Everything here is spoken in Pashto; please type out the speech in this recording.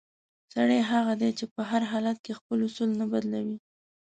سړی هغه دی چې په هر حالت کې خپل اصول نه بدلوي.